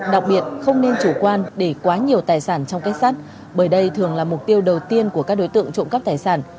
đặc biệt không nên chủ quan để quá nhiều tài sản trong kết sắt bởi đây thường là mục tiêu đầu tiên của các đối tượng trộm cắp tài sản